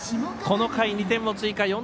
この回、２点を追加。